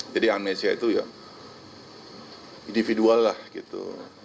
jadi amnesia itu ya individual lah gitu